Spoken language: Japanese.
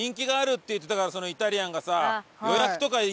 そのイタリアンがさ。